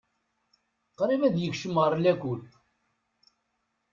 Qrib ad yekcem ɣer lakul.